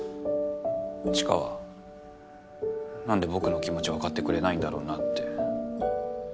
知花は何で僕の気持ち分かってくれないんだろうなって。